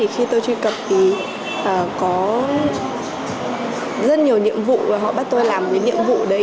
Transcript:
khi tôi truy cập thì có rất nhiều nhiệm vụ và họ bắt tôi làm cái nhiệm vụ đấy